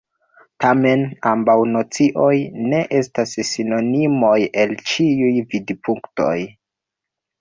Tamen, ambaŭ nocioj ne estas sinonimoj el ĉiuj vidpunktoj.